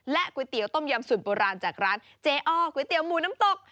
ก๋วยเตี๋ยวต้มยำสูตรโบราณจากร้านเจ๊อ้อก๋วยเตี๋ยวหมูน้ำตก